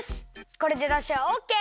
これでだしはオッケー！